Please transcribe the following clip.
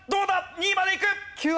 ２位までいく！